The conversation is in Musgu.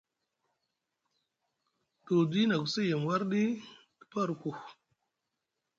Dudi na ku sa yem wardi te paa arku.